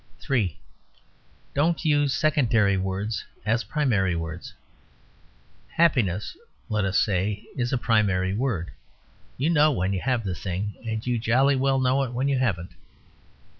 (3) Don't use secondary words as primary words. "Happiness" (let us say) is a primary word. You know when you have the thing, and you jolly well know when you haven't.